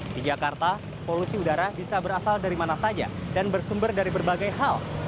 di jakarta polusi udara bisa berasal dari mana saja dan bersumber dari berbagai hal